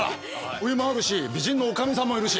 お湯もあるし美人の女将さんもいるし。